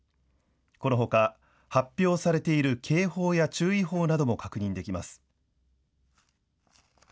このほか、発表されている警報や注意報なども確認できます。